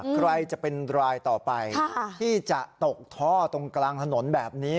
ใครจะเป็นรายต่อไปที่จะตกท่อตรงกลางถนนแบบนี้